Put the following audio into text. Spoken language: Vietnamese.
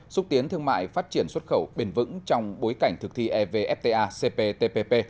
xúc tiến thương mại phát triển xuất khẩu bền vững trong bối cảnh thực thi evfta cptpp